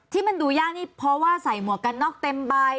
ที่มันดูยากนี่เพราะว่าใส่หมวกกันน็อกเต็มใบ